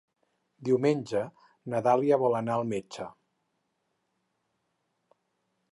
Diumenge na Dàlia vol anar al metge.